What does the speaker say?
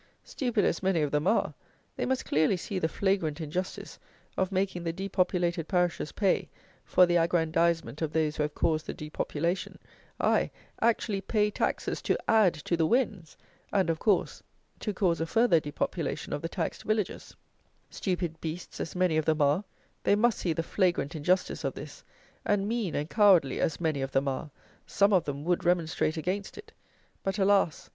Stupid as many of them are, they must clearly see the flagrant injustice of making the depopulated parishes pay for the aggrandizement of those who have caused the depopulation, aye, actually pay taxes to add to the Wens, and, of course, to cause a further depopulation of the taxed villages; stupid beasts as many of them are, they must see the flagrant injustice of this, and mean and cowardly as many of them are, some of them would remonstrate against it; but, alas!